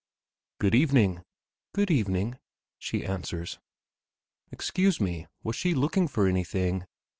"Good evening." "Good evening," she answers. Excuse me, was she looking for anything?